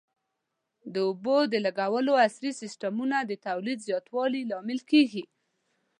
د اوبو د لګولو عصري سیستمونه د تولید زیاتوالي لامل کېږي.